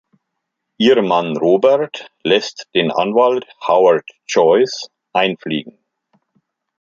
Ihr Mann Robert lässt den Anwalt Howard Joyce einfliegen.